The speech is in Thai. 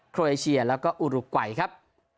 โรเอเชียแล้วก็อุรุกวัยครับ